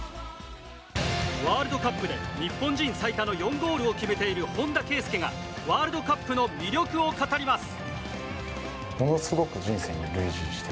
ワールドカップで日本人最多の４ゴールを決めている本田圭佑がワールドカップの魅力を語ります。